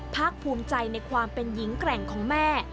ภาคภูมิใจในความเป็นหญิงแกร่งของแม่